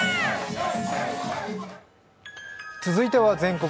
続いては「全国！